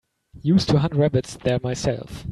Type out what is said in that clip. Used to hunt rabbits there myself.